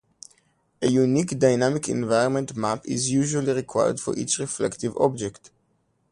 A unique dynamic environment map is usually required for each reflective object.